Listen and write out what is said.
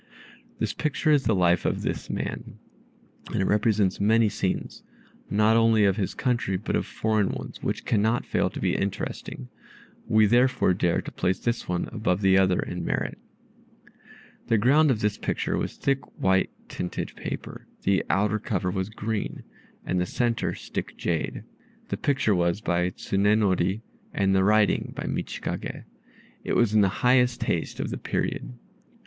This picture is the life of this man, and it represents many scenes, not only of his country but of foreign ones, which cannot fail to be interesting. We therefore dare to place this one above the other in merit." The ground of this picture was thick white tinted paper, the outer cover was green, and the centre stick jade. The picture was by Tsunenori, and the writing by Michikage. It was in the highest taste of the period.